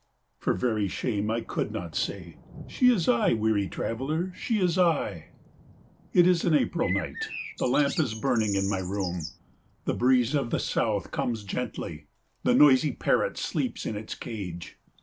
For very shame I could not say, "She is I, weary traveller, she is I." It is an April night. The lamp is burning in my room. The breeze of the south comes gently. The noisy parrot sleeps in its cage.